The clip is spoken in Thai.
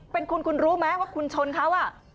เป็นคุณคุณรู้ไหมว่าคุณชนเขา